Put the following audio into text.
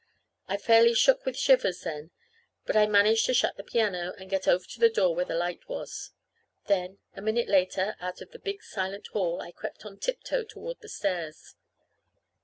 I fairly shook with shivers then, but I managed to shut the piano and get over to the door where the light was. Then, a minute later, out in the big silent hall, I crept on tiptoe toward the stairs.